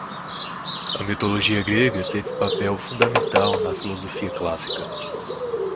A mitologia grega teve papel fundamental na filosofia clássica